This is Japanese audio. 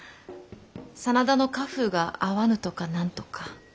真田の家風が合わぬとか何とか。